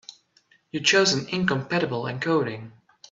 You chose an incompatible encoding.